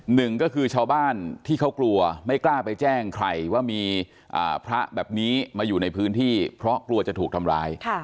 หนึ่งก็คือชาวบ้านที่เขากลัวไม่กล้าไปแจ้งใครว่ามีพระแบบนี้มาอยู่ในพื้นที่เพราะกลัวจะถูกทำร้าย